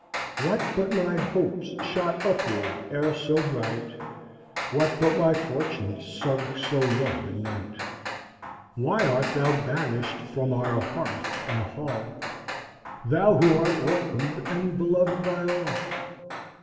What but my hopes shot upward e'er so bright? What but my fortunes sunk so low in night? Why art thou banished from our hearth and hall, Thou who art welcomed and beloved by all?